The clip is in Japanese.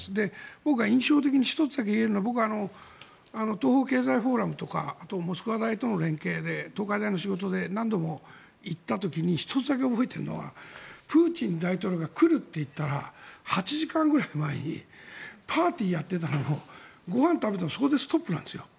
僕、印象的覚えてるのは僕は東方経済フォーラムとかあとはモスクワ大学との連携で東海大の仕事で何度も言った時に１つだけ覚えているのはプーチン大統領が来るといったら８時間ぐらい前にパーティーをやっていたのをご飯を食べていたのをそこでストップなんですよ